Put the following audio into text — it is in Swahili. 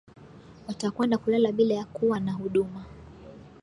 watakwenda kulala bila ya kua na huduma